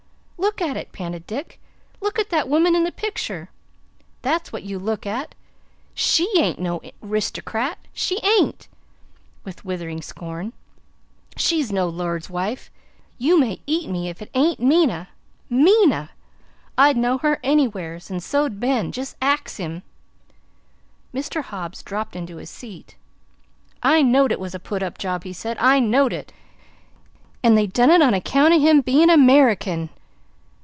"Look at it!" panted Dick. "Look at that woman in the picture! That's what you look at! SHE aint no 'ristocrat, SHE aint!" with withering scorn. "She's no lord's wife. You may eat me, if it aint Minna MINNA! I'd know her anywheres, an' so 'd Ben. Jest ax him." Mr. Hobbs dropped into his seat. "I knowed it was a put up job," he said. "I knowed it; and they done it on account o' him bein' a 'Merican!"